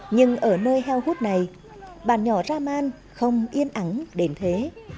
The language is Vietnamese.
nhưng ở nơi heo hút này bản nhỏ raman không yên ắng đến thế